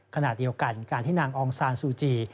ขณะเดียวกันการที่นางองซานซูจี